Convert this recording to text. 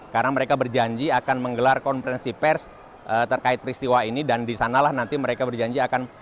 karena mereka berjanji akan menggelar konferensi pers terkait peristiwa ini dan disanalah nanti mereka berjanji akan